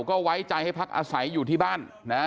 ก็ไว้ใจให้พักอาศัยอยู่ที่บ้านนะ